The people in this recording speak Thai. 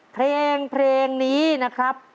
เพลงนี้นะครับ